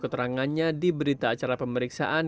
keterangannya di berita acara pemeriksaan